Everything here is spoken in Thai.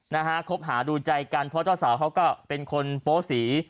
นะฮะคบหาดูใจกันเพราะเจ้าสาวเขาก็เป็นคนโปสี